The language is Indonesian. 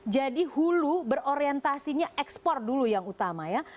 jadi hulu berorientasinya ekspor dulu yang utama ya